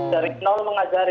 dari nol mengajari